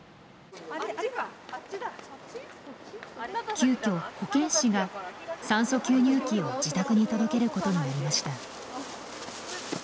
急きょ保健師が酸素吸入器を自宅に届けることになりました。